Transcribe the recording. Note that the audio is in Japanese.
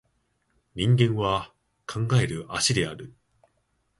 人間は考える葦である